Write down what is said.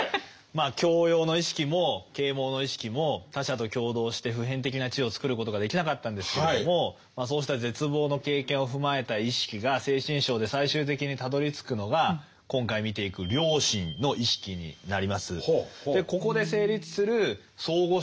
まあ教養の意識も啓蒙の意識も他者と共同して普遍的な知をつくることができなかったんですけれどもそうした絶望の経験を踏まえた意識が「精神章」で最終的にたどりつくのが今回見ていく良心の意識になります。